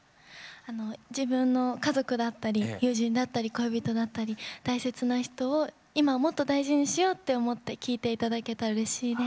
自分の家族であったり友人であったり恋人であったり大切な人を今はもっと大事にしようって思って聴いて頂けたらうれしいです。